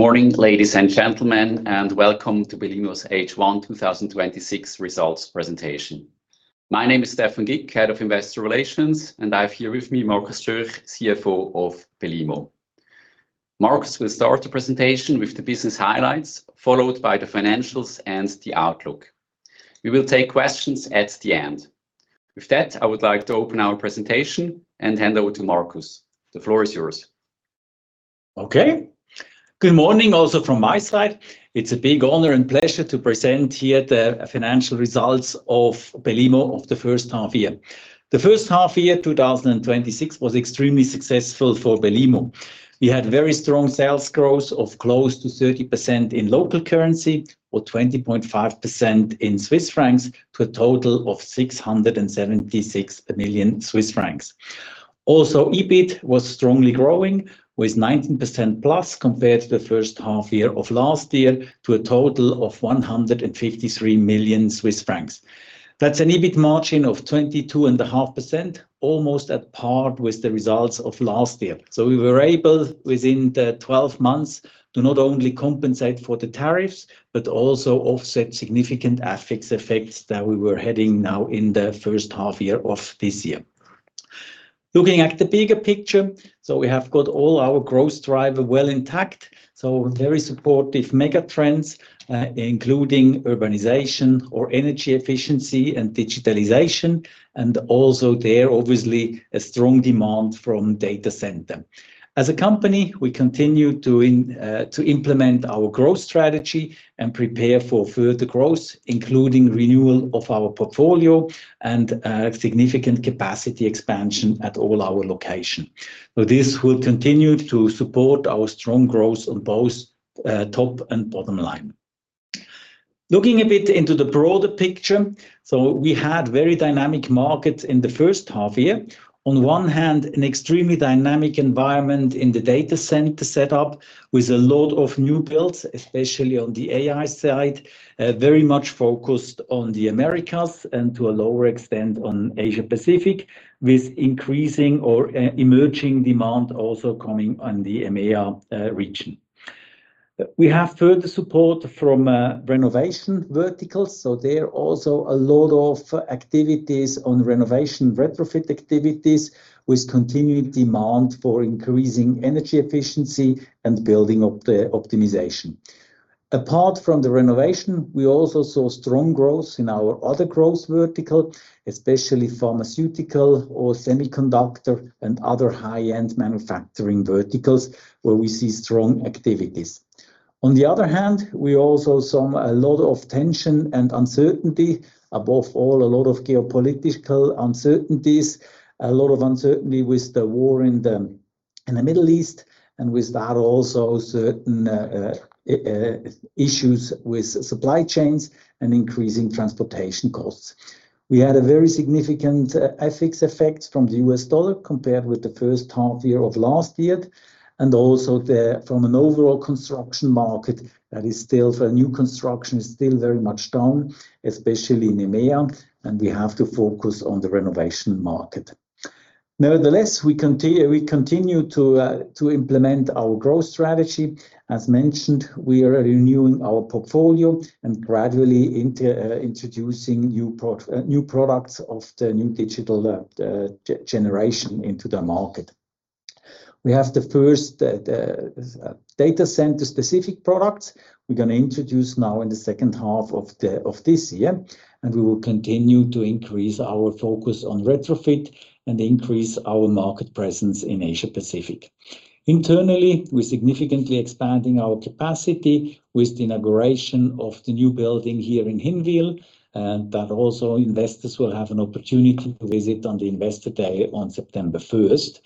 Good morning, ladies and gentlemen, and welcome to BELIMO's H1 2026 results presentation. My name is Stephan Gick, Head of Investor Relations, and I have here with me Markus Schürch, CFO of BELIMO. Markus will start the presentation with the business highlights, followed by the financials and the outlook. We will take questions at the end. With that, I would like to open our presentation and hand over to Markus. The floor is yours. Okay. Good morning also from my side. It's a big honor and pleasure to present here the financial results of BELIMO of the first half year. The first half year 2026 was extremely successful for BELIMO. We had very strong sales growth of close to 30% in local currency or 20.5% in Swiss francs, to a total of 676 million Swiss francs. EBIT was strongly growing with 19%+ compared to the first half year of last year, to a total of 153 million Swiss francs. That's an EBIT margin of 22.5%, almost at par with the results of last year. We were able within the 12 months to not only compensate for the tariffs, but also offset significant FX effects that we were heading now in the first half year of this year. Looking at the bigger picture, we have got all our growth driver well intact. Very supportive megatrends, including urbanization or energy efficiency and digitalization, and also there obviously a strong demand from data center. As a company, we continue to implement our growth strategy and prepare for further growth, including renewal of our portfolio and significant capacity expansion at all our location. This will continue to support our strong growth on both top and bottom line. Looking a bit into the broader picture, we had very dynamic markets in the first half year. On one hand, an extremely dynamic environment in the data center set up with a lot of new builds, especially on the AI side, very much focused on the Americas and to a lower extent on Asia-Pacific, with increasing or emerging demand also coming on the EMEA region. We have further support from renovation verticals, there are also a lot of activities on renovation RetroFIT+ activities, with continued demand for increasing energy efficiency and building optimization. Apart from the renovation, we also saw strong growth in our other growth vertical, especially pharmaceutical or semiconductor and other high-end manufacturing verticals where we see strong activities. On the other hand, we also saw a lot of tension and uncertainty, above all, a lot of geopolitical uncertainties, a lot of uncertainty with the war in the Middle East, and with that also certain issues with supply chains and increasing transportation costs. We had a very significant FX effect from the U.S. dollar compared with the first half year of last year. Also from an overall construction market that is still for new construction, is still very much down, especially in EMEA, we have to focus on the renovation market. Nevertheless, we continue to implement our growth strategy. As mentioned, we are renewing our portfolio and gradually introducing new products of the new digital generation into the market. We have the first data center-specific products we are going to introduce now in the second half of this year, and we will continue to increase our focus on RetroFIT+ and increase our market presence in Asia-Pacific. Internally, we are significantly expanding our capacity with the inauguration of the new building here in Hinwil, and that also investors will have an opportunity to visit on the Investor Day on September 1st.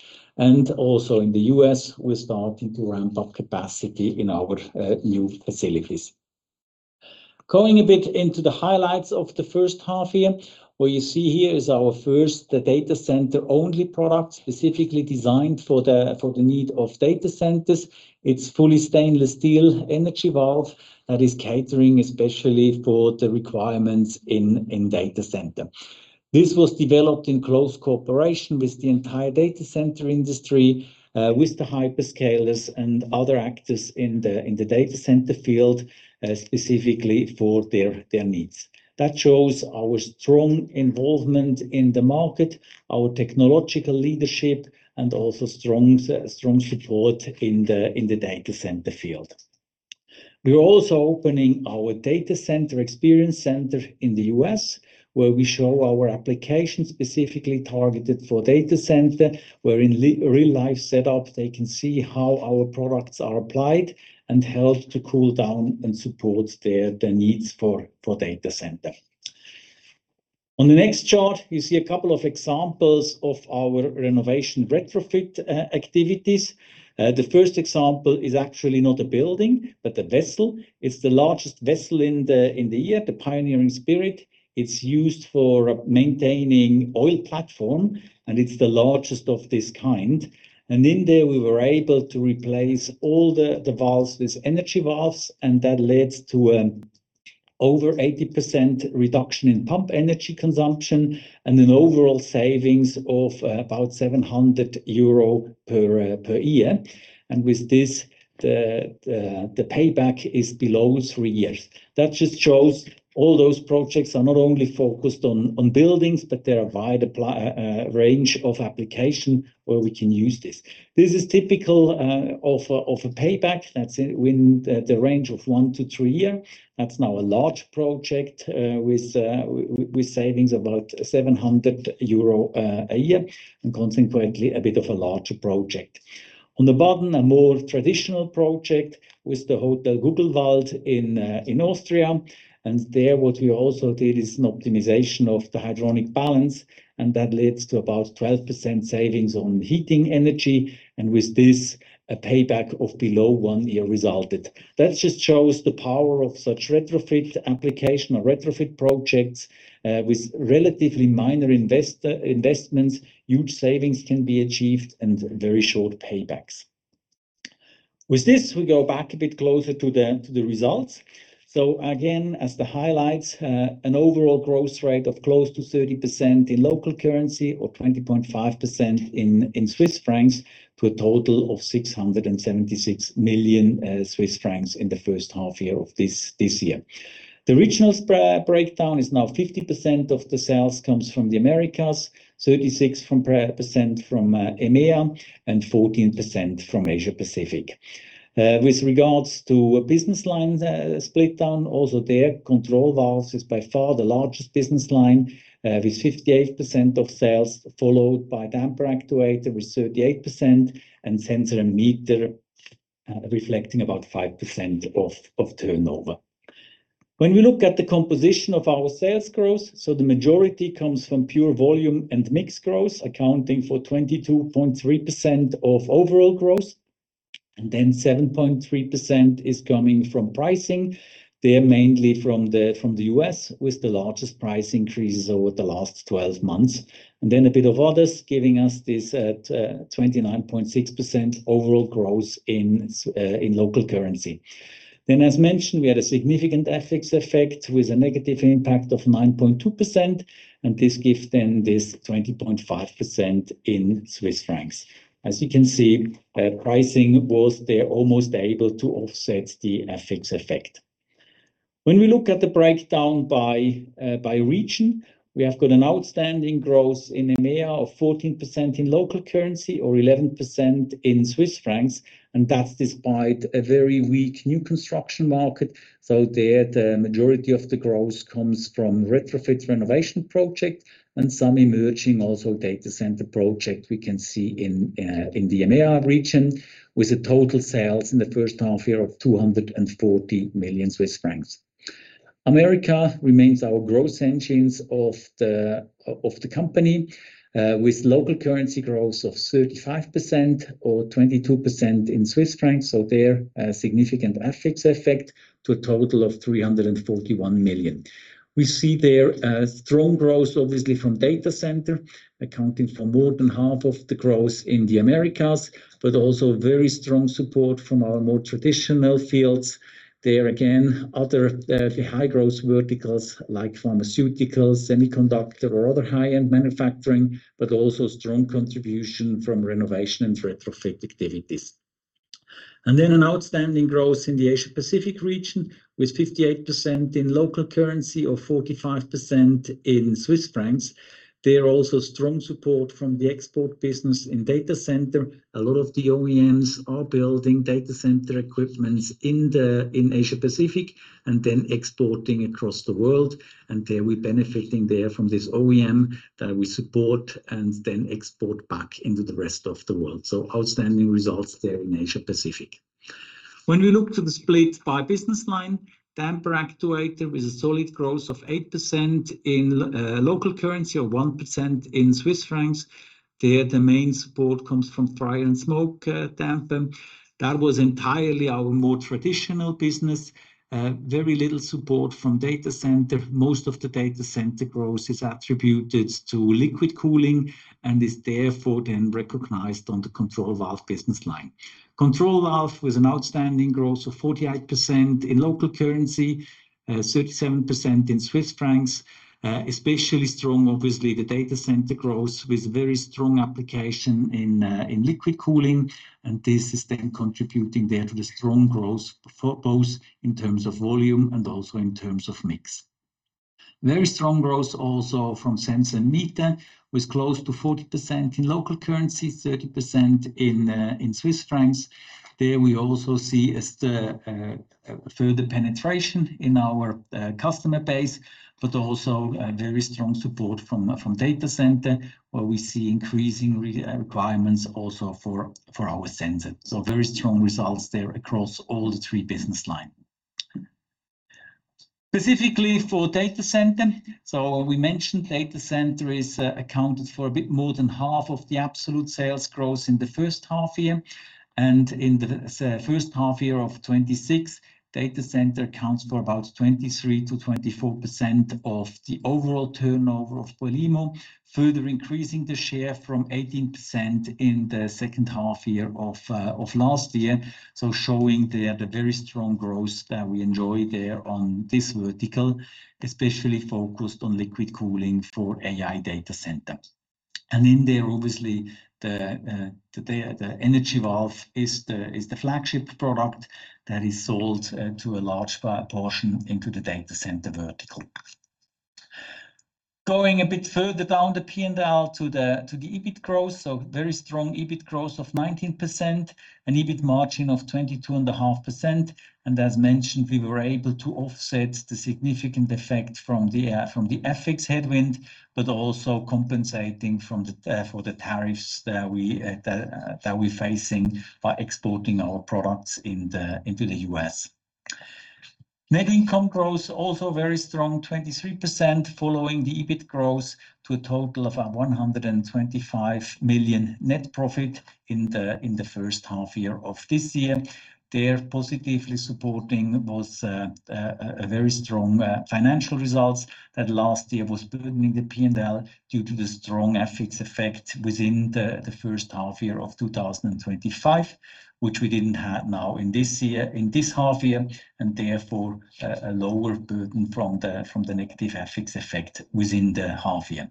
Also in the U.S., we are starting to ramp up capacity in our new facilities. Going a bit into the highlights of the first half year, what you see here is our first data center-only product, specifically designed for the need of data centers. It is fully stainless steel Energy Valve that is catering especially for the requirements in data center. This was developed in close cooperation with the entire data center industry, with the hyperscalers and other actors in the data center field, specifically for their needs. That shows our strong involvement in the market, our technological leadership, and also strong support in the data center field. We are also opening our data center experience center in the U.S., where we show our application specifically targeted for data center, where in real life setup they can see how our products are applied and help to cool down and support the needs for data center. On the next chart, you see a couple of examples of our renovation RetroFIT+ activities. The first example is actually not a building, but a vessel. It is the largest vessel in the year, the Pioneering Spirit. It is used for maintaining oil platform, and it is the largest of this kind. In there, we were able to replace all the valves with Energy Valves, and that led to a over 80% reduction in pump energy consumption, and an overall savings of about 700 euro per year. With this, the payback is below three years. That just shows all those projects are not only focused on buildings, but there are a wide range of application where we can use this. This is typical of a payback that is in the range of one to three years. That is now a large project with savings about 700 euro a year, and consequently, a bit of a larger project. On the bottom, a more traditional project with the Hotel Guglwald in Austria. There, what we also did is an optimization of the hydronic balancing, and that leads to about 12% savings on heating energy. With this, a payback of below one year resulted. That just shows the power of such RetroFIT+ application or RetroFIT+ projects. With relatively minor investments, huge savings can be achieved and very short paybacks. With this, we go back a bit closer to the results. Again, as the highlights, an overall growth rate of close to 30% in local currency or 20.5% in Swiss francs, to a total of 676 million Swiss francs in the first half year of this year. The regional breakdown is now 50% of the sales comes from the Americas, 36% from EMEA, and 14% from Asia-Pacific. With regards to business line split down, also there, control valves is by far the largest business line, with 58% of sales, followed by damper actuator with 38%, and sensor and meter reflecting about 5% of turnover. When we look at the composition of our sales growth, the majority comes from pure volume and mix growth, accounting for 22.3% of overall growth, 7.3% is coming from pricing. They're mainly from the U.S. with the largest price increases over the last 12 months. A bit of others giving us this at 29.6% overall growth in local currency. As mentioned, we had a significant FX effect with a negative impact of 9.2%, this gives this 20.5% in Swiss francs. As you can see, pricing was there almost able to offset the FX effect. When we look at the breakdown by region, we have got an outstanding growth in EMEA of 14% in local currency or 11% in Swiss francs, that's despite a very weak new construction market. There, the majority of the growth comes from RetroFIT+ renovation project and some emerging also data center project we can see in the EMEA region, with a total sales in the first half year of 240 million Swiss francs. America remains our growth engines of the company, with local currency growth of 35% or 22% in Swiss francs, there a significant FX effect, to a total of 341 million. We see there a strong growth obviously from data center, accounting for more than half of the growth in the Americas, also very strong support from our more traditional fields. There again, other high-growth verticals like pharmaceuticals, semiconductor or other high-end manufacturing, also strong contribution from renovation and RetroFIT+ activities. An outstanding growth in the Asia-Pacific region with 58% in local currency or 45% in Swiss francs. There also strong support from the export business in data center. A lot of the OEMs are building data center equipments in Asia-Pacific and then exporting across the world. There, we're benefiting there from this OEM that we support export back into the rest of the world. Outstanding results there in Asia-Pacific. When we look to the split by business line, damper actuator with a solid growth of 8% in local currency or 1% in Swiss francs. There, the main support comes from fire and smoke damper. That was entirely our more traditional business. Very little support from data center. Most of the data center growth is attributed to liquid cooling and is therefore recognized on the control valve business line. Control valve with an outstanding growth of 48% in local currency, 37% in Swiss francs. Especially strong, obviously, the data center growth with very strong application in liquid cooling, this is contributing there to the strong growth both in terms of volume and also in terms of mix. Very strong growth also from sensor and meter, with close to 40% in local currency, 30% in Swiss francs. There we also see a further penetration in our customer base, but also very strong support from data center, where we see increasing requirements also for our sensors. Very strong results there across all the three business line. Specifically for data center, we mentioned data center is accounted for a bit more than half of the absolute sales growth in the first half year. In the first half year of 2026, data center accounts for about 23%-24% of the overall turnover of BELIMO, further increasing the share from 18% in the second half year of last year. Showing there the very strong growth that we enjoy there on this vertical, especially focused on liquid cooling for AI data centers. In there, obviously, the Energy Valve is the flagship product that is sold to a large portion into the data center vertical. Going a bit further down the P&L to the EBIT growth. Very strong EBIT growth of 19%, an EBIT margin of 22.5%. As mentioned, we were able to offset the significant effect from the FX headwind, but also compensating for the tariffs that we're facing by exporting our products into the U.S. Net income growth also very strong, 23%, following the EBIT growth to a total of 125 million net profit in the first half year of this year. There positively supporting both a very strong financial results that last year was burdening the P&L due to the strong FX effect within the first half year of 2025, which we didn't have now in this half year, and therefore, a lower burden from the negative FX effect within the half year.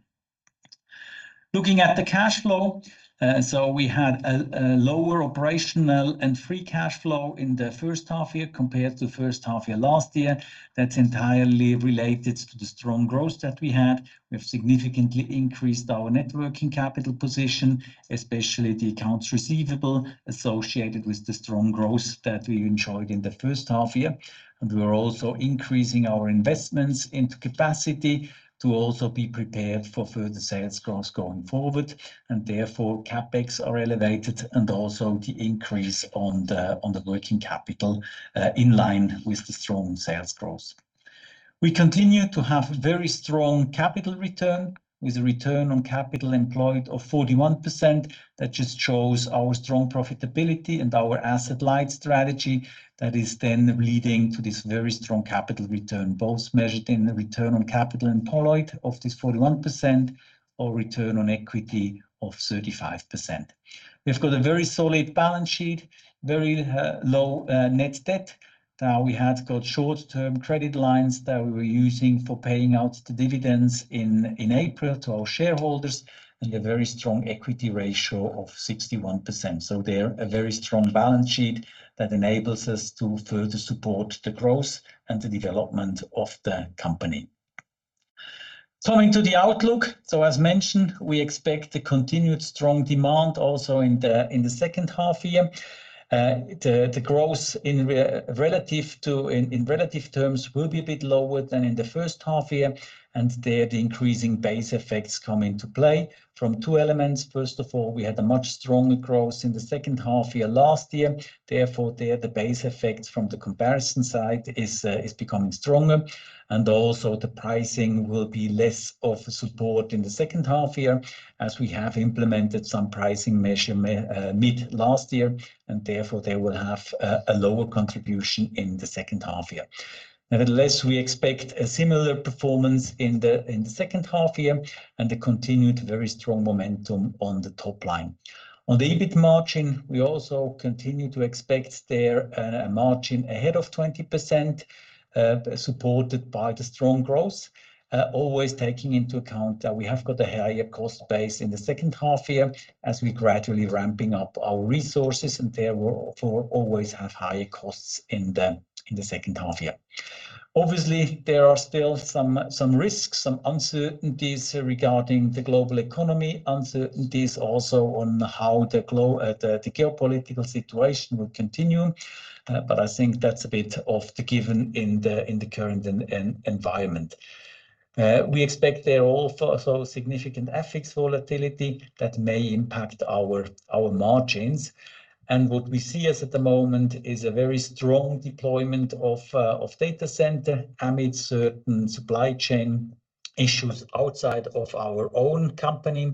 Looking at the cash flow. We had a lower operational and free cash flow in the first half year compared to first half year last year. That's entirely related to the strong growth that we had. We have significantly increased our net working capital position, especially the accounts receivable associated with the strong growth that we enjoyed in the first half year. We are also increasing our investments into capacity to also be prepared for further sales growth going forward. Therefore, CapEx are elevated and also the increase on the working capital, in line with the strong sales growth. We continue to have very strong capital return with a return on capital employed of 41%. That just shows our strong profitability and our asset-light strategy that is then leading to this very strong capital return, both measured in the return on capital employed of this 41% or return on equity of 35%. We've got a very solid balance sheet, very low net debt. Now we had got short-term credit lines that we were using for paying out the dividends in April to our shareholders, and a very strong equity ratio of 61%. There, a very strong balance sheet that enables us to further support the growth and the development of the company. Coming to the outlook. As mentioned, we expect a continued strong demand also in the second half-year. The growth in relative terms will be a bit lower than in the first half-year, and there, the increasing base effects come into play from two elements. First of all, we had a much stronger growth in the second half-year last year. Therefore, there, the base effects from the comparison side is becoming stronger. Also the pricing will be less of a support in the second half-year as we have implemented some pricing measure mid-last year, and therefore they will have a lower contribution in the second half-year. Nevertheless, we expect a similar performance in the second half-year and a continued very strong momentum on the top line. On the EBIT margin, we also continue to expect there a margin ahead of 20%, supported by the strong growth. Always taking into account that we have got a higher cost base in the second half-year as we gradually ramping up our resources, and therefore always have higher costs in the second half-year. Obviously, there are still some risks, some uncertainties regarding the global economy, uncertainties also on how the geopolitical situation will continue. I think that's a bit of the given in the current environment. We expect there also significant FX volatility that may impact our margins. What we see as at the moment is a very strong deployment of data center amid certain supply chain issues outside of our own company.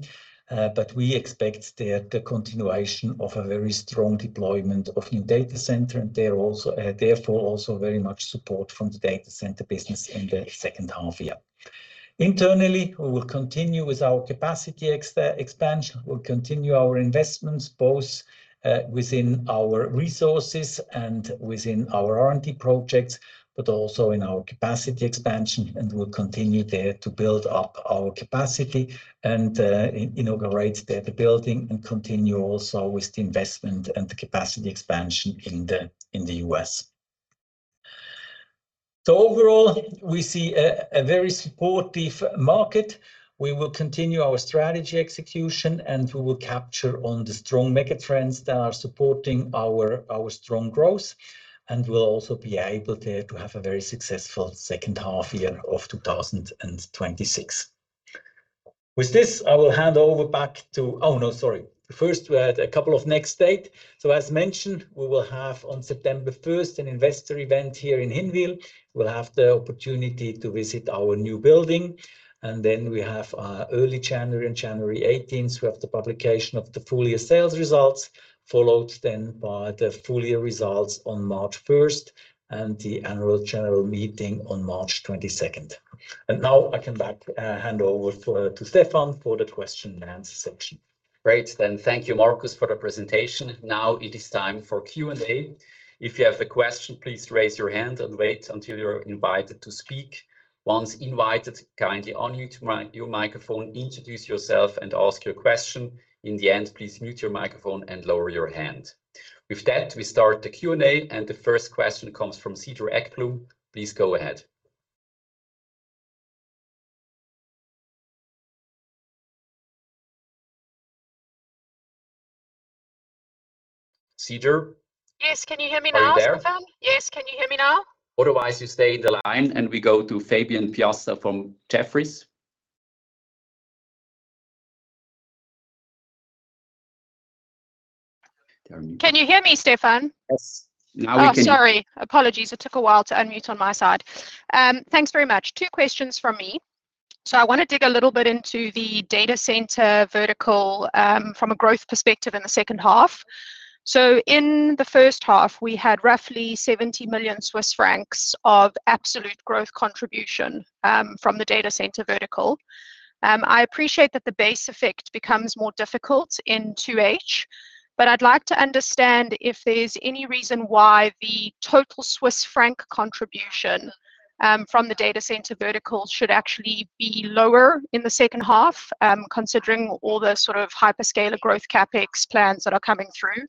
We expect there the continuation of a very strong deployment of new data center, and therefore also very much support from the data center business in the second half-year. Internally, we will continue with our capacity expansion. We'll continue our investments both within our resources and within our R&D projects, but also in our capacity expansion. We'll continue there to build up our capacity and inaugurate the building, and continue also with the investment and the capacity expansion in the U.S. Overall, we see a very supportive market. We will continue our strategy execution, and we will capture on the strong mega trends that are supporting our strong growth. We'll also be able there to have a very successful second half-year of 2026. With this, I will hand over back to oh, no, sorry. First, we had a couple of next dates. As mentioned, we will have on September 1st an investor event here in Hinwil. We'll have the opportunity to visit our new building. We have early January, on January 18th, we have the publication of the full-year sales results, followed then by the full-year results on March 1st and the annual general meeting on March 22nd. I can back hand over to Stephan for the question and answer section. Great. Thank you, Markus, for the presentation. Now it is time for Q&A. If you have a question, please raise your hand and wait until you're invited to speak. Once invited, kindly unmute your microphone, introduce yourself, and ask your question. In the end, please mute your microphone and lower your hand. With that, we start the Q&A, and the first question comes from Cedar Ekblom. Please go ahead. Cedar? Yes. Can you hear me now, Stephan? Are you there? Yes. Can you hear me now? Otherwise, you stay in the line, we go to Fabian Piasta from Jefferies. Can you hear me, Stephan? Yes. Now we can. Oh, sorry. Apologies. It took a while to unmute on my side. Thanks very much. Two questions from me. I want to dig a little bit into the data center vertical from a growth perspective in the second half. In the first half, we had roughly 70 million Swiss francs of absolute growth contribution from the data center vertical. I appreciate that the base effect becomes more difficult in 2H, I'd like to understand if there's any reason why the total Swiss franc contribution from the data center vertical should actually be lower in the second half, considering all the sort of hyperscaler growth CapEx plans that are coming through.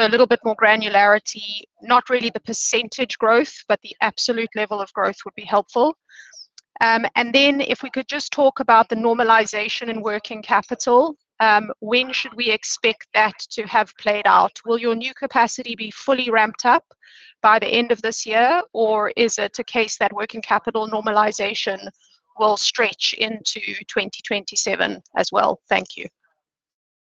A little bit more granularity, not really the percentage growth, but the absolute level of growth would be helpful. If we could just talk about the normalization in working capital, when should we expect that to have played out? Will your new capacity be fully ramped up by the end of this year? Or is it a case that working capital normalization will stretch into 2027 as well? Thank you.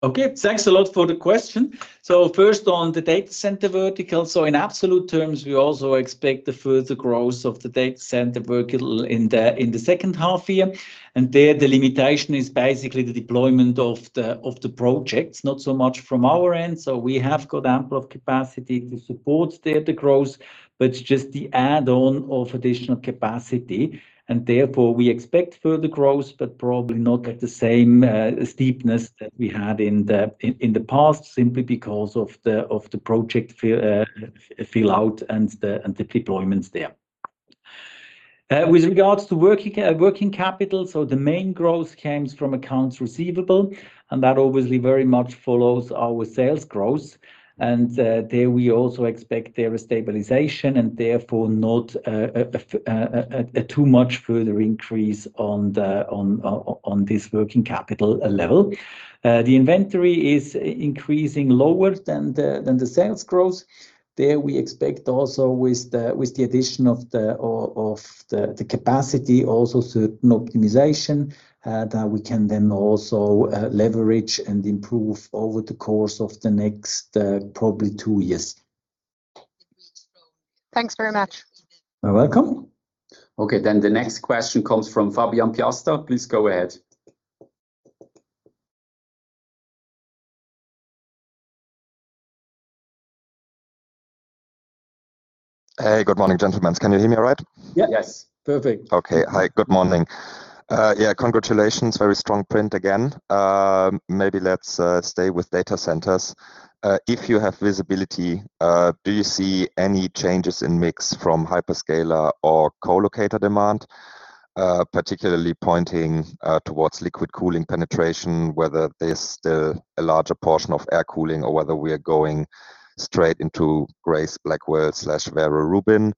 Okay. Thanks a lot for the question. First on the data center vertical. In absolute terms, we also expect the further growth of the data center vertical in the second half year. There the limitation is basically the deployment of the projects, not so much from our end. We have got ample of capacity to support the data growth, but just the add-on of additional capacity, and therefore we expect further growth, but probably not at the same steepness that we had in the past simply because of the project fill out and the deployments there. With regards to working capital, the main growth comes from accounts receivable, and that obviously very much follows our sales growth. There we also expect there a stabilization and therefore not too much further increase on this working capital level. The inventory is increasing lower than the sales growth. There we expect also with the addition of the capacity certain optimization, that we can then also leverage and improve over the course of the next probably two years. Thanks very much. You are welcome. The next question comes from Fabian Piasta. Please go ahead. Hey, good morning, gentlemen. Can you hear me all right? Yes. Yes. Perfect. Okay. Hi, good morning. Yeah, congratulations. Very strong print again. Maybe let's stay with data centers. If you have visibility, do you see any changes in mix from hyperscaler or co-locator demand? Particularly pointing towards liquid cooling penetration, whether there's still a larger portion of air cooling or whether we are going straight into Grace Blackwell/Vera Rubin.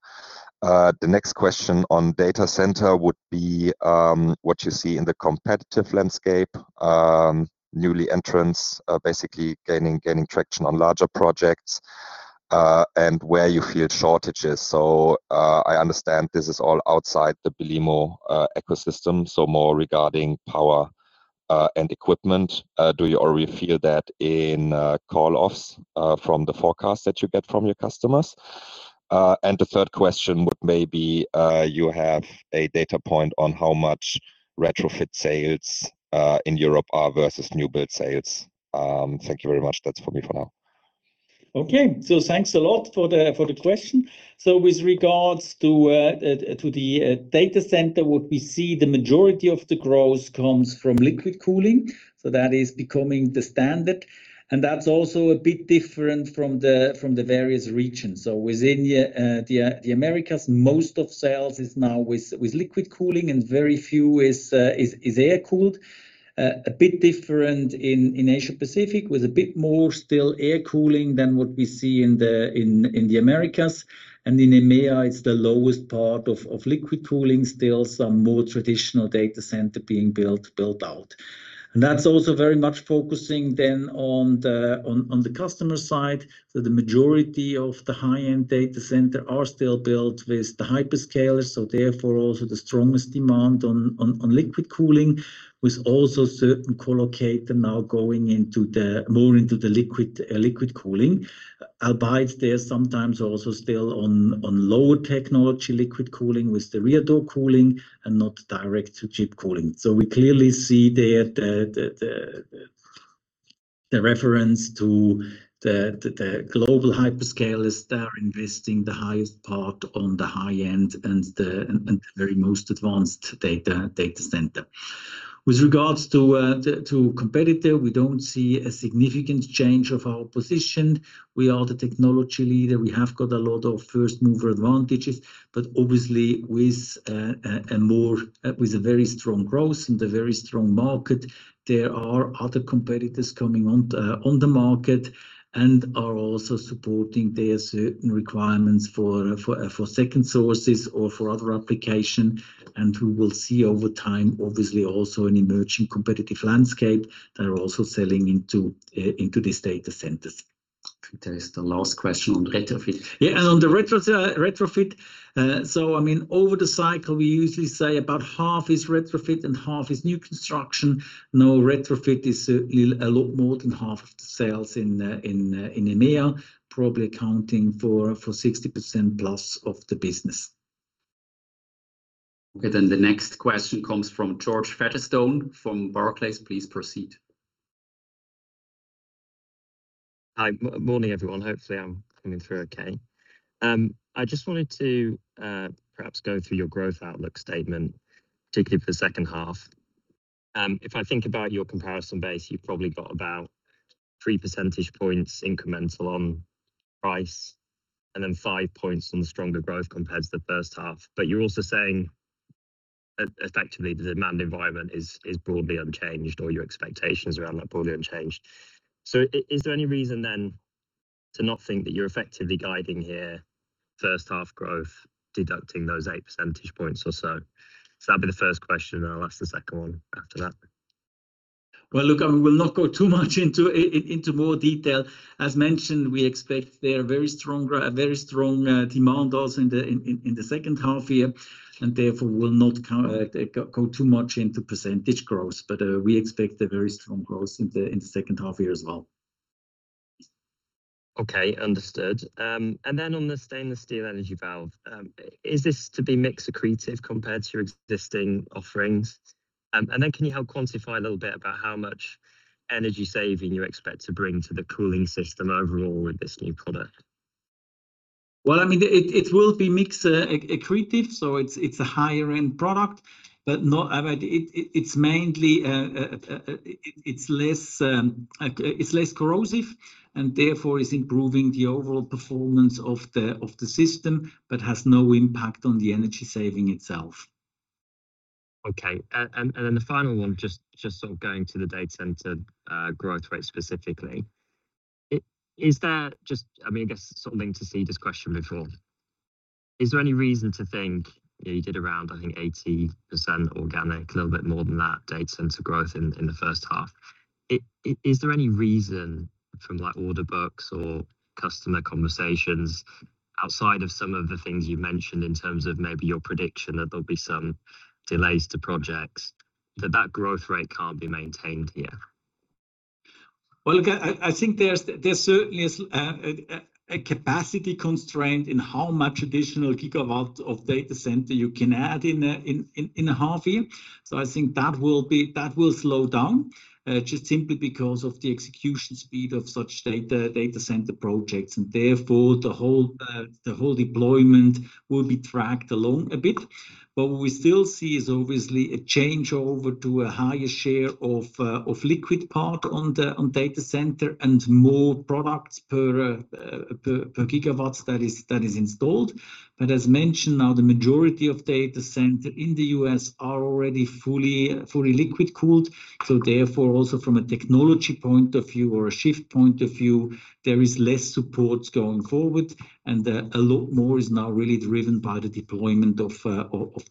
The next question on data center would be what you see in the competitive landscape. Newly entrants basically gaining traction on larger projects, where you feel shortages? I understand this is all outside the BELIMO ecosystem, more regarding power and equipment. Do you already feel that in call-offs from the forecast that you get from your customers? The third question would maybe you have a data point on how much RetroFIT+ sales in Europe are versus new build sales. Thank you very much. That's for me for now. Okay. Thanks a lot for the question. With regards to the data center, what we see the majority of the growth comes from liquid cooling. That is becoming the standard, and that's also a bit different from the various regions. Within the Americas, most of sales is now with liquid cooling and very few is air-cooled. A bit different in Asia-Pacific, with a bit more still air cooling than what we see in the Americas. In EMEA, it's the lowest part of liquid cooling, still some more traditional data center being built out. That's also very much focusing then on the customer side. The majority of the high-end data center are still built with the hyperscalers, therefore also the strongest demand on liquid cooling, with also certain co-locator now going more into the liquid cooling. Albeit there sometimes also still on lower technology liquid cooling with the rear door cooling and not direct-to-chip cooling. We clearly see there the reference to the global hyperscalers that are investing the highest part on the high-end and the very most advanced data center. With regards to competitor, we don't see a significant change of our position. We are the technology leader. We have got a lot of first-mover advantages, obviously with a very strong growth in the very strong market, there are other competitors coming on the market and are also supporting their certain requirements for second sources or for other application. We will see over time, obviously, also an emerging competitive landscape that are also selling into these data centers. There is the last question on RetroFIT+. On the RetroFIT+, over the cycle, we usually say about half is RetroFIT+ and half is new construction. RetroFIT+ is a lot more than half of the sales in EMEA, probably accounting for 60%+ of the business. The next question comes from George Featherstone from Barclays. Please proceed. Hi. Morning, everyone. Hopefully, I'm coming through okay. I just wanted to perhaps go through your growth outlook statement, particularly for the second half. If I think about your comparison base, you've probably got about three percentage points incremental on price, and then 5 points on stronger growth compared to the first half. You're also saying, effectively, the demand environment is broadly unchanged or your expectations around that broadly unchanged. Is there any reason then to not think that you're effectively guiding here first half growth, deducting those 8 percentage points or so? That'd be the first question, and I'll ask the second one after that. Well, look, I will not go too much into more detail. As mentioned, we expect there a very strong demand also in the second half year, and therefore will not go too much into percentage growth. We expect a very strong growth in the second half year as well. Okay, understood. On the stainless steel Energy Valve, is this to be mix accretive compared to your existing offerings? Can you help quantify a little bit about how much energy saving you expect to bring to the cooling system overall with this new product? Well, it will be mix accretive, so it's a higher-end product. It's less corrosive and therefore is improving the overall performance of the system, but has no impact on the energy saving itself. Okay. The final one, just going to the data center growth rate specifically. I guess something to seed this question before. Is there any reason to think, you did around, I think, 80% organic, a little bit more than that data center growth in the first half. Is there any reason from order books or customer conversations, outside of some of the things you've mentioned in terms of maybe your prediction that there'll be some delays to projects, that that growth rate can't be maintained here? Well, look, I think there certainly is a capacity constraint in how much additional gigawatt of data center you can add in a half year. I think that will slow down, just simply because of the execution speed of such data center projects, and therefore the whole deployment will be dragged along a bit. What we still see is obviously a changeover to a higher share of liquid part on data center and more products per gigawatts that is installed. As mentioned, now the majority of data center in the U.S. are already fully liquid-cooled. Also from a technology point of view or a shift point of view, there is less support going forward. A lot more is now really driven by the deployment of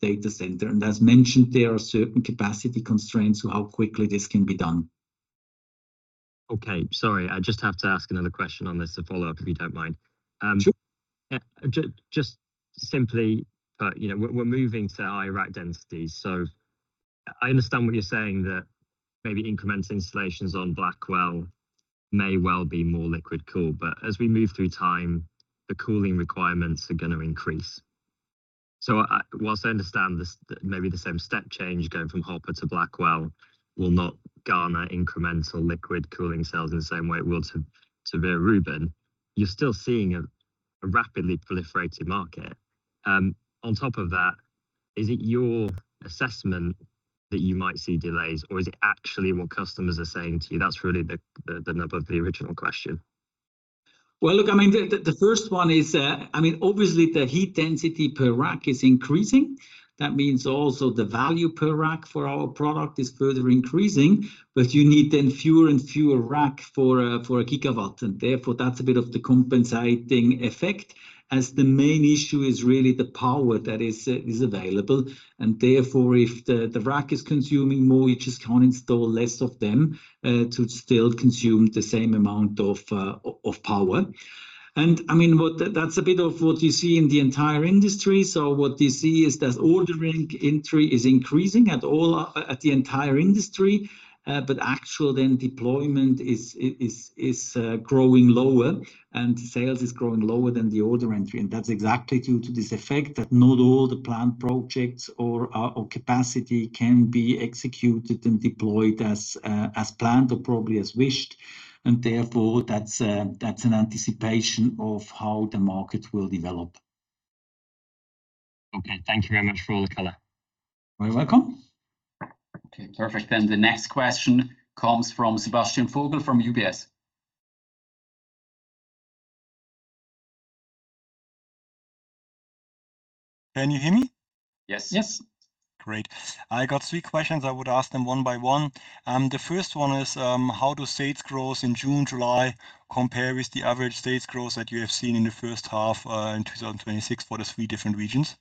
data center. As mentioned, there are certain capacity constraints to how quickly this can be done. Sorry, I just have to ask another question on this, a follow-up, if you don't mind. Sure. Simply, we're moving to higher rack densities. I understand what you're saying that maybe incremental installations on Blackwell may well be more liquid cool. As we move through time, the cooling requirements are going to increase. Whilst I understand maybe the same step change going from Hopper to Blackwell will not garner incremental liquid cooling sales in the same way it will to Vera Rubin, you're still seeing a rapidly proliferated market. On top of that, is it your assessment that you might see delays, or is it actually what customers are saying to you? That's really the nub of the original question. The first one is, obviously, the heat density per rack is increasing. That means also the value per rack for our product is further increasing. You need then fewer and fewer rack for 1 GW, and therefore, that's a bit of the compensating effect, as the main issue is really the power that is available. Therefore, if the rack is consuming more, you just can install less of them to still consume the same amount of power. That's a bit of what you see in the entire industry. What you see is that ordering entry is increasing at the entire industry. Actual then deployment is growing lower and sales is growing lower than the order entry. That's exactly due to this effect that not all the planned projects or capacity can be executed and deployed as planned or probably as wished. Therefore, that's an anticipation of how the market will develop. Okay. Thank you very much for all the color. You're welcome. Okay, perfect. The next question comes from Sebastian Vogel from UBS. Can you hear me? Yes. Yes. Great. I got three questions. I would ask them one by one. The first one is, how does sales growth in June, July compare with the average sales growth that you have seen in the first half in 2026 for the three different regions?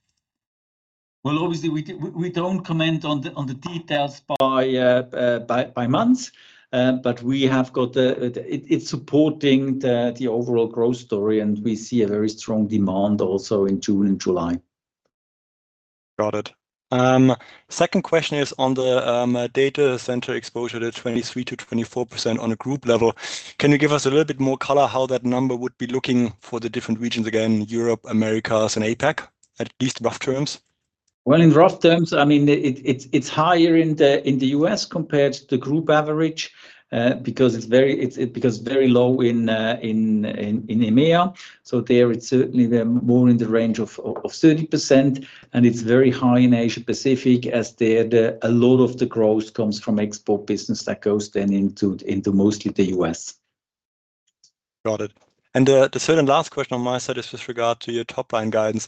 Well, obviously, we don't comment on the details by months. It's supporting the overall growth story, and we see a very strong demand also in June and July. Got it. Second question is on the data center exposure, the 23%-24% on a group level. Can you give us a little bit more color how that number would be looking for the different regions again, Europe, Americas, and APAC, at least rough terms? Well, in rough terms, it's higher in the U.S. compared to the group average, because very low in EMEA. There, it's certainly more in the range of 30%, and it's very high in Asia-Pacific, as there, a lot of the growth comes from export business that goes then into mostly the U.S. Got it. The third and last question on my side is with regard to your top-line guidance.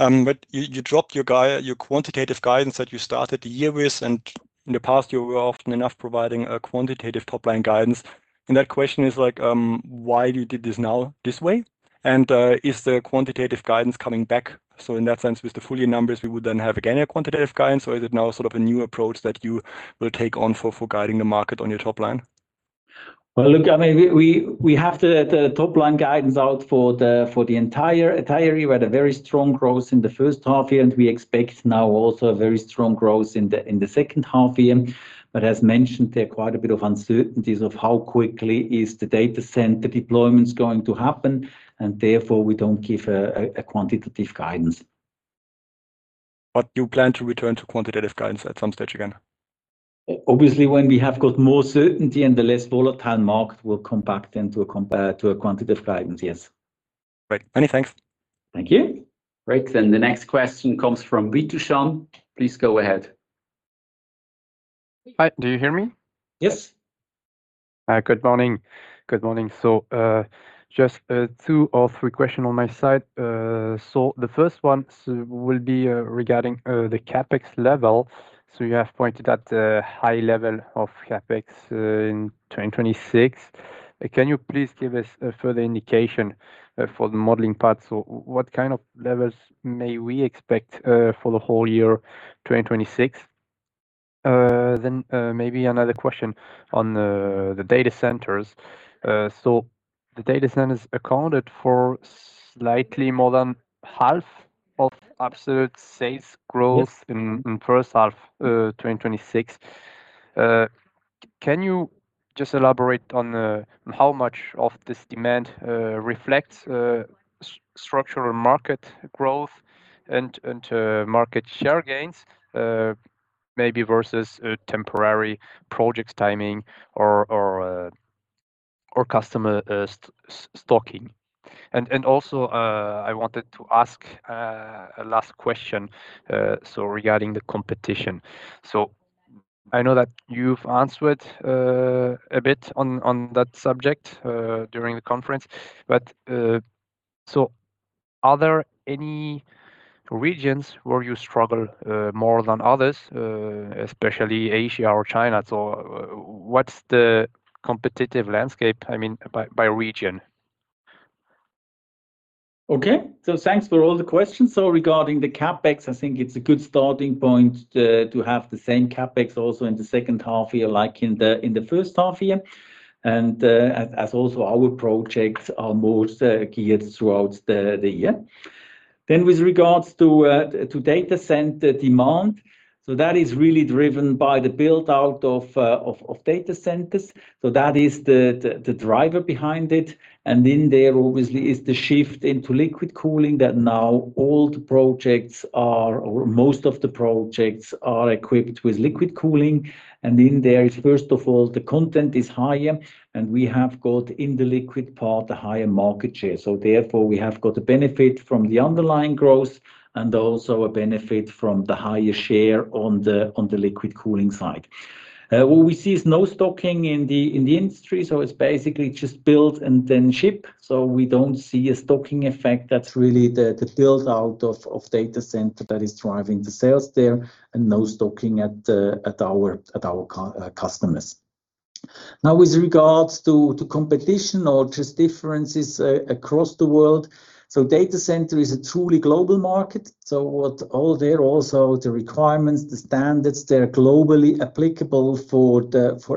You dropped your quantitative guidance that you started the year with, in the past, you were often enough providing a quantitative top-line guidance. That question is, why you did this now this way? Is the quantitative guidance coming back? In that sense, with the full year numbers, we would then have again a quantitative guidance, or is it now sort of a new approach that you will take on for guiding the market on your top line? Well, look, we have the top-line guidance out for the entire year. We had a very strong growth in the first half year, we expect now also a very strong growth in the second half year. As mentioned, there are quite a bit of uncertainties of how quickly is the data center deployments going to happen, therefore, we don't give a quantitative guidance. You plan to return to quantitative guidance at some stage again? Obviously, when we have got more certainty and the less volatile market, we'll come back then to a quantitative guidance, yes. Great. Many thanks. Thank you. Great. The next question comes from Vitushan. Please go ahead. Hi, do you hear me? Yes. Good morning. Just two or three question on my side. The first one will be regarding the CapEx level. You have pointed at the high level of CapEx in 2026. Can you please give us a further indication for the modeling part? What kind of levels may we expect for the whole year 2026? Maybe another question on the data centers. The data centers accounted for slightly more than half of absolute sales growth- Yes. In first half 2026. Can you just elaborate on how much of this demand reflects structural market growth and to market share gains? Maybe versus temporary project timing or customer stocking. Also, I wanted to ask a last question. Regarding the competition. I know that you've answered a bit on that subject during the conference, but are there any regions where you struggle more than others, especially Asia or China? What's the competitive landscape by region? Okay. Thanks for all the questions. Regarding the CapEx, I think it's a good starting point to have the same CapEx also in the second half year, like in the first half year. As also our projects are more geared throughout the year. With regards to data center demand, that is really driven by the build-out of data centers. That is the driver behind it. In there obviously is the shift into liquid cooling that now all the projects are, or most of the projects are equipped with liquid cooling. In there is, first of all, the content is higher, and we have got in the liquid part a higher market share. Therefore, we have got a benefit from the underlying growth and also a benefit from the higher share on the liquid cooling side. What we see is no stocking in the industry, it's basically just build and then ship. We don't see a stocking effect. That's really the build-out of data center that is driving the sales there, and no stocking at our customers. With regards to competition or just differences across the world, data center is a truly global market. All there also, the requirements, the standards, they're globally applicable for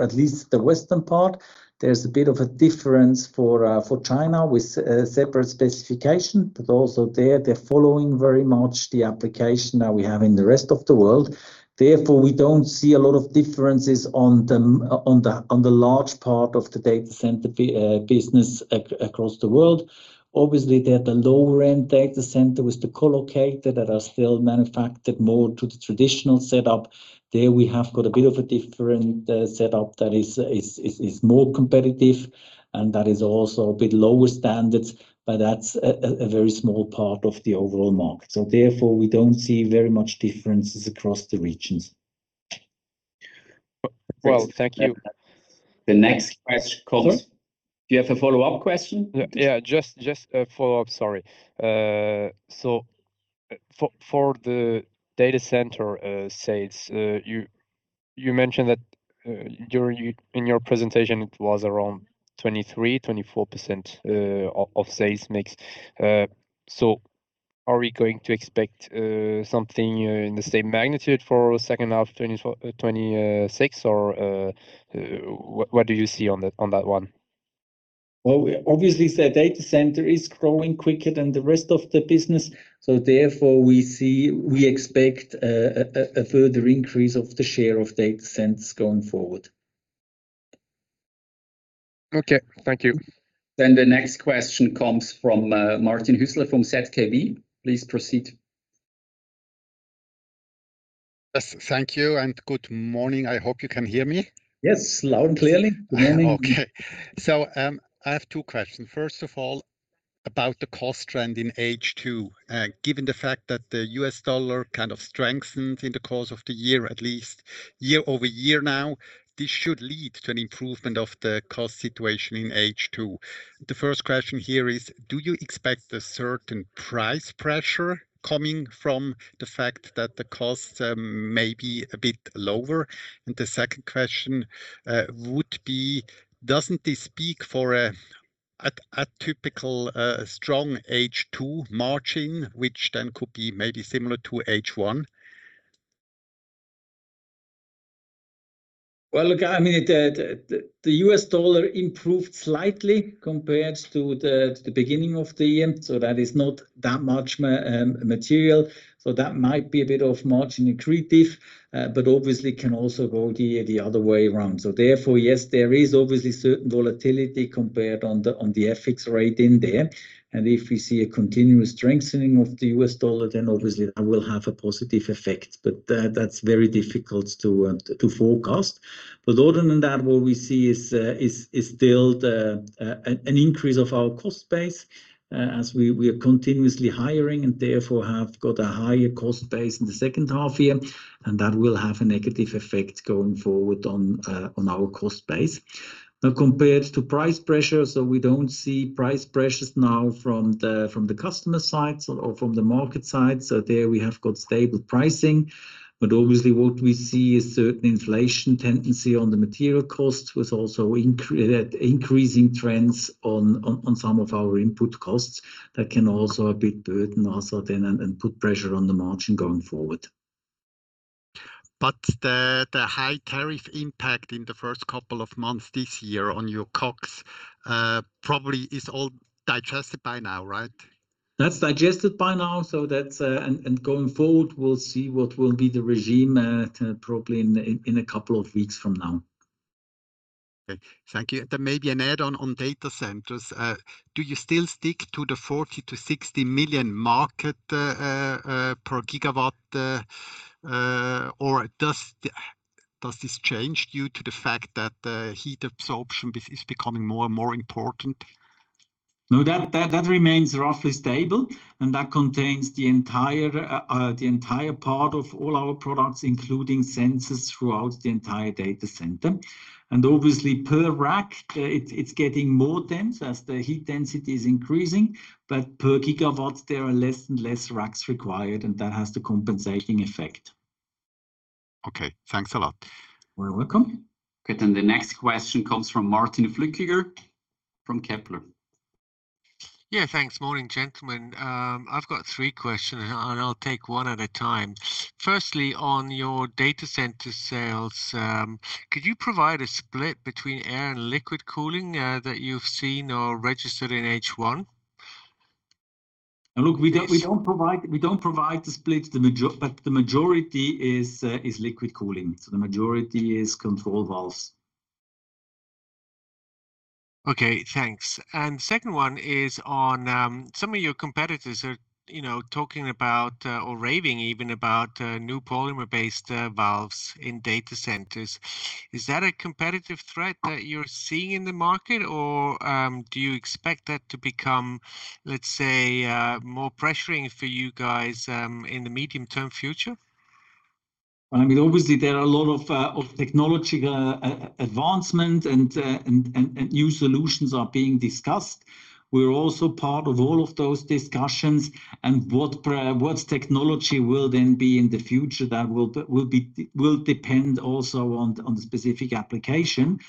at least the western part. There's a bit of a difference for China with separate specification. Also there, they're following very much the application that we have in the rest of the world. We don't see a lot of differences on the large part of the data center business across the world. Obviously, there are the lower-end data center with the collocated that are still manufactured more to the traditional setup. There we have got a bit of a different setup that is more competitive and that is also a bit lower standards, but that's a very small part of the overall market. Therefore, we don't see very much differences across the regions. Well, thank you. The next question comes. Sorry? Do you have a follow-up question? Yeah. Just a follow-up. Sorry. For the data center sales, you mentioned that in your presentation, it was around 23%-24% of sales mix. Are we going to expect something in the same magnitude for second half 2026? What do you see on that one? Well, obviously, the data center is growing quicker than the rest of the business. Therefore, we expect a further increase of the share of data centers going forward. Okay. Thank you. The next question comes from Martin Hüsler from ZKB. Please proceed. Yes. Thank you, and good morning. I hope you can hear me. Yes, loud and clearly. Good morning. Okay. I have two questions. First of all, about the cost trend in H2. Given the fact that the U.S. dollar kind of strengthened in the course of the year, at least year-over-year now, this should lead to an improvement of the cost situation in H2. The first question here is, do you expect a certain price pressure coming from the fact that the cost may be a bit lower? The second question would be, doesn't this speak for a typical strong H2 margin, which then could be maybe similar to H1? Well, look, the U.S. dollar improved slightly compared to the beginning of the year, that is not that much material. That might be a bit of margin accretive. Obviously can also go the other way around. Therefore, yes, there is obviously certain volatility compared on the FX rate in there. If we see a continuous strengthening of the U.S. dollar, then obviously that will have a positive effect. That's very difficult to forecast. Other than that, what we see is still an increase of our cost base as we are continuously hiring and therefore have got a higher cost base in the second half year. That will have a negative effect going forward on our cost base. Now compared to price pressure, we don't see price pressures now from the customer side or from the market side. There we have got stable pricing. Obviously what we see is certain inflation tendency on the material costs, with also increasing trends on some of our input costs that can also a bit burden also then and put pressure on the margin going forward. The high tariff impact in the first couple of months this year on your COGS probably is all digested by now, right? That's digested by now. Going forward, we'll see what will be the regime probably in a couple of weeks from now. Okay. Thank you. There may be an add-on on data centers. Do you still stick to the 40 million-60 million market per gigawatt? Or does this change due to the fact that the heat absorption is becoming more and more important? No, that remains roughly stable, and that contains the entire part of all our products, including sensors throughout the entire data center. Obviously per rack, it's getting more dense as the heat density is increasing. Per gigawatts, there are less and less racks required, and that has the compensating effect. Okay. Thanks a lot. You are welcome. Okay, the next question comes from Martin Flueckiger from Kepler. Yeah. Thanks. Morning, gentlemen. I've got three questions. I'll take one at a time. Firstly, on your data center sales, could you provide a split between air and liquid cooling that you've seen or registered in H1? Look, we don't provide the split, but the majority is liquid cooling. The majority is control valves. Okay, thanks. Second one is some of your competitors are talking about or raving even about new polymer-based valves in data centers. Is that a competitive threat that you're seeing in the market, or do you expect that to become, let's say, more pressuring for you guys in the medium-term future? Obviously, there are a lot of technology advancement and new solutions are being discussed. We're also part of all of those discussions. What technology will then be in the future, that will depend also on the specific application.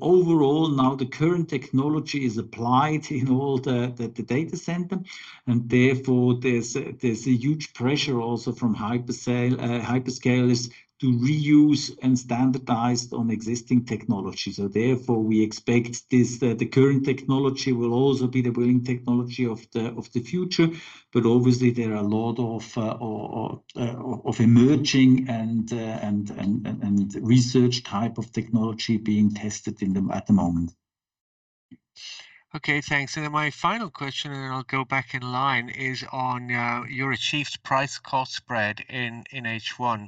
Overall, now the current technology is applied in all the data center, and therefore there's a huge pressure also from hyperscalers to reuse and standardize on existing technology. Therefore, we expect the current technology will also be the winning technology of the future. Obviously there are a lot of emerging and research type of technology being tested at the moment. Okay, thanks. Then my final question, and then I'll go back in line, is on your achieved price cost spread in H1.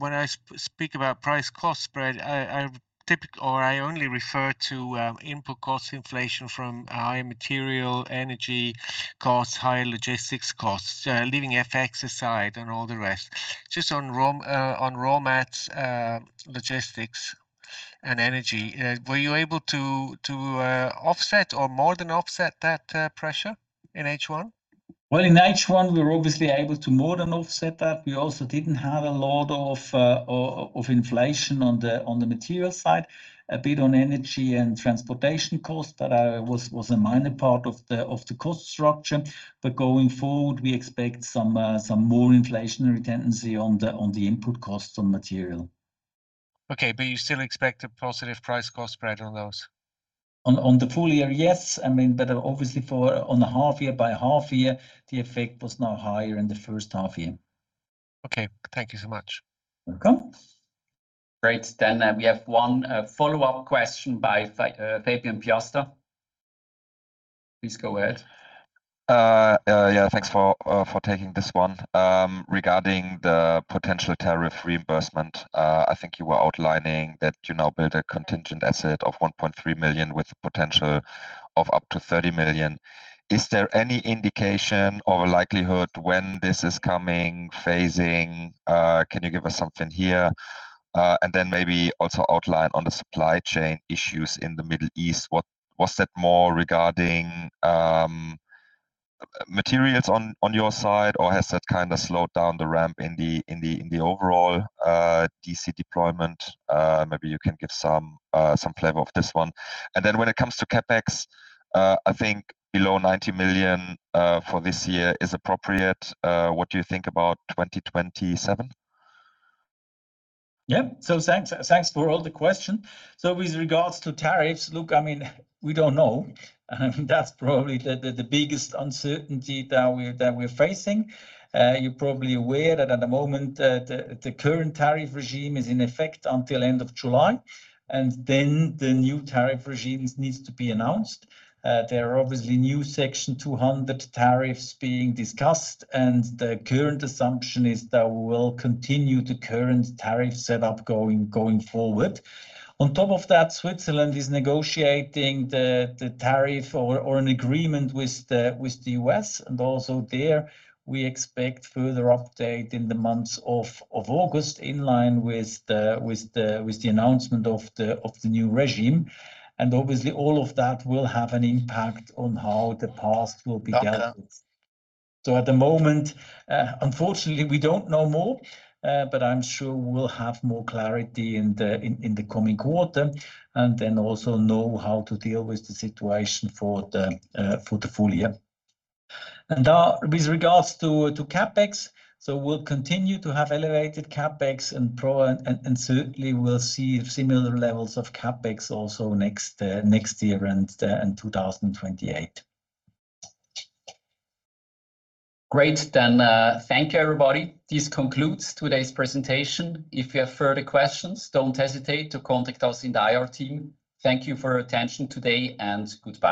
When I speak about price cost spread, I only refer to input cost inflation from higher material energy costs, higher logistics costs, leaving FX aside and all the rest. Just on raw mats, logistics and energy, were you able to offset or more than offset that pressure in H1? Well, in H1 we were obviously able to more than offset that. We also didn't have a lot of inflation on the material side. A bit on energy and transportation costs, but that was a minor part of the cost structure. Going forward, we expect some more inflationary tendency on the input costs on material. Okay, you still expect a positive price-cost spread on those? On the full year, yes. Obviously on a half year by half year, the effect was now higher in the first half year. Okay. Thank you so much. Welcome. Great. We have one follow-up question by Fabian Piasta. Please go ahead. Yeah. Thanks for taking this one. Regarding the potential tariff reimbursement, I think you were outlining that you now build a contingent asset of 1.3 million with the potential of up to 30 million. Is there any indication or likelihood when this is coming, phasing? Can you give us something here? Maybe also outline on the supply chain issues in the Middle East, was that more regarding materials on your side, or has that kind of slowed down the ramp in the overall DC deployment? Maybe you can give some flavor of this one. When it comes to CapEx, I think below 90 million for this year is appropriate. What do you think about 2027? Yeah. Thanks for all the question. With regards to tariffs, look, we don't know. That's probably the biggest uncertainty that we're facing. You're probably aware that at the moment, the current tariff regime is in effect until end of July, and then the new tariff regimes needs to be announced. There are obviously new Section 200 tariffs being discussed, the current assumption is that we will continue the current tariff set up going forward. On top of that, Switzerland is negotiating the tariff or an agreement with the U.S., also there, we expect further update in the months of August in line with the announcement of the new regime. Obviously, all of that will have an impact on how the past will be dealt with. At the moment, unfortunately, we don't know more. I'm sure we'll have more clarity in the coming quarter, and then also know how to deal with the situation for the full year. With regards to CapEx, we'll continue to have elevated CapEx, certainly we'll see similar levels of CapEx also next year and in 2028. Great. Thank you everybody. This concludes today's presentation. If you have further questions, don't hesitate to contact us in the IR team. Thank you for your attention today, and goodbye.